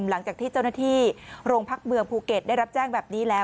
หลังจากที่เจ้าหน้าที่โรงพักเมืองภูเก็ตได้รับแจ้งแบบนี้แล้ว